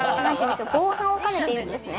防犯をかねているんですね。